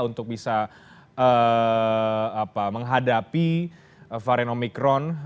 untuk bisa menghadapi varen omicron